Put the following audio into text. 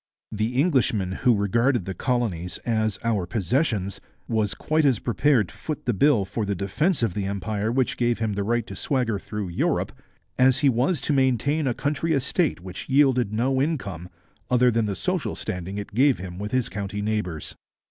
The Englishman who regarded the colonies as 'our possessions' was quite as prepared to foot the bill for the defence of the Empire which gave him the right to swagger through Europe, as he was to maintain a country estate which yielded no income other than the social standing it gave him with his county neighbours.